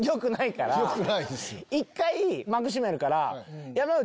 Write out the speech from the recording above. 一回幕閉めるから。